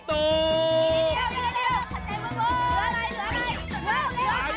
จะทันมั้ยเนี่ย